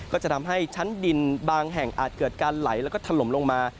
ก็จะทำให้ชั้นดินบางแห่งอาจเกิดการไหลแล้วก็ถล่มลงมา